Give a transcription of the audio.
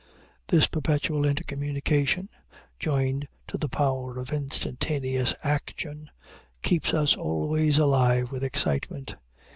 This perpetual intercommunication, joined to the power of instantaneous action, keeps us always alive with excitement.